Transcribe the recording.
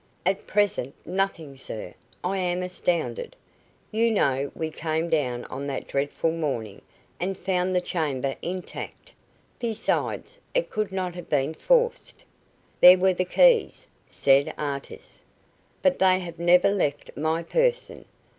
"At present, nothing, sir. I am astounded. You know we came down on that dreadful morning, and found the chamber intact; besides it could not have been forced." "There were the keys," said Artis. "But they have never left my person.